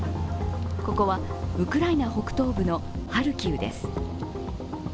ここはウクライナ北東部のハルキウです。